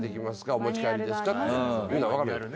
お持ち帰りですか？」